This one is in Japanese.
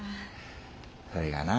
それがなぁ